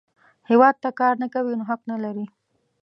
هیواد ته کار نه کوې، نو حق نه لرې